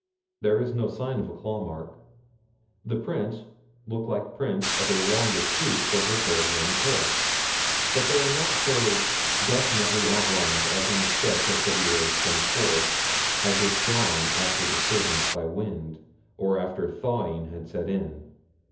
There is no sign of a claw mark. The prints look like prints of longish hoofs of a very young colt, but they are not so definitely outlined as in the sketch of February 24th, as if drawn after disturbance by wind, or after thawing had set in.